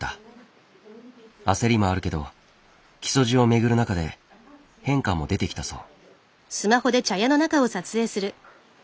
焦りもあるけど木曽路を巡る中で変化も出てきたそう。